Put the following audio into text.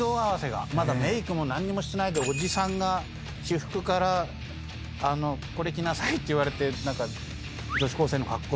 まだメークも何にもしないでおじさんが私服から「これ着なさい」って言われて女子高生の格好させられる。